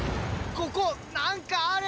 ここなんかある！